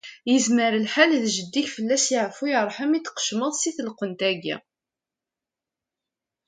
Yezmer lḥal d jeddi-k, fell-as yeɛfu yerḥem, i d-tqecmeḍ seg telqent-agi.